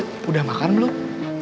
bu evi udah makan belum